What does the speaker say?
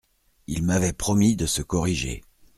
Il m’avait promis de se corriger.